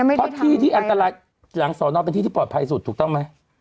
เพราะที่ที่อันตรายหลังสอนอเป็นที่ที่ปลอดภัยสุดถูกต้องไหม